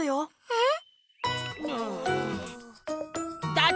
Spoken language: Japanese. えっ？